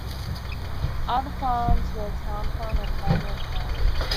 Other farms were Town Farm and Manor Farm.